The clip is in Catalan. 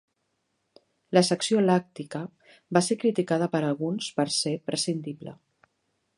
La secció làctica va ser criticada per alguns per ser prescindible.